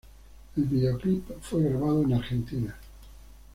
El videoclip fue grabado en Argentina.